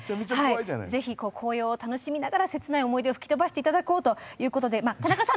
ぜひ、紅葉を楽しみながら切ない思い出を吹き飛ばしていただこうと思います。